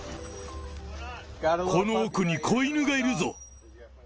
この奥に子犬がいるぞ。